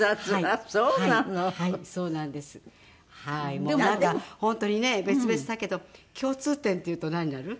もうなんか本当にね別々だけど共通点っていうとなんになる？